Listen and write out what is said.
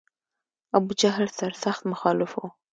ابوجهل سر سخت مخالف و.